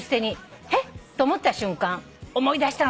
「えっ！？と思った瞬間思い出したのです」